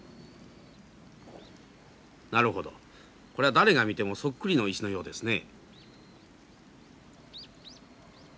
なるほどこれは誰が見てもそっくりの石のようですね。